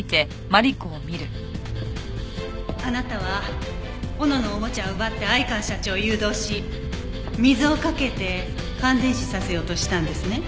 あなたは斧のおもちゃを奪って相川社長を誘導し水をかけて感電死させようとしたんですね？